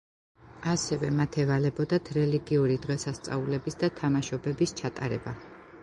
ასევე მათ ევალებოდათ რელიგიური დღესასწაულების და თამაშობების ჩატარება.